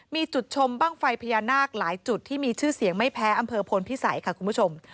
มีจุดชมบ้างไฟพญานาคหลายจุดที่มีชื่อเสียงไม่แพ้อำเภอพลพิสัยค่ะคุณผู้ชม